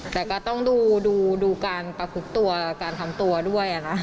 แต่ก็ต้องดูการประคุบตัวการทำตัวด้วยนะ